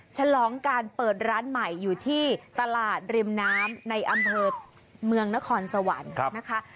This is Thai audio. ฉลองการเปิดร้านใหม่อยู่ที่ตลาดริมน้ำในอำเภอเมืองนครสวรรค์นะคะ